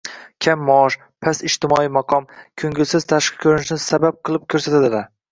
kam maosh, past ijtimoiy maqom, ko‘ngilsiz tashqi ko‘rinishni sabab qilib ko'rsatadilar.